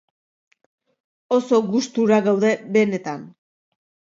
Oso gustura gaude benetan.